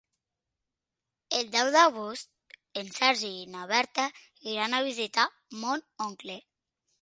El deu d'agost en Sergi i na Berta iran a visitar mon oncle.